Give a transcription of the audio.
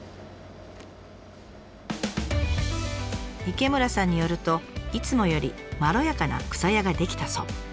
池村さんによるといつもよりまろやかなくさやが出来たそう。